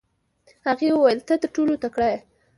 هغه وویل چې ته تر ټولو تکړه یې.